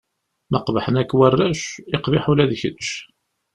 Ma qebḥen akk warrac, iqbiḥ ula d kečč!